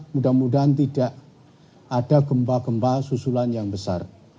mudah mudahan tidak ada gempa gempa susulan yang besar